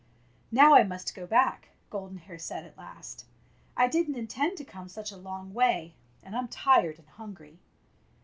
''Now I must go back," Golden Hair said at last. " I did n't intend to come such a long way, and I'm tired and hungry."